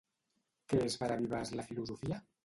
Què és per a Vives la filosofia?